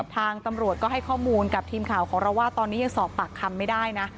ทางตำรวจก็ให้ข้อมูลกับทีมข่าวของเราว่าตอนนี้ยังสอบปากคำไม่ได้นะ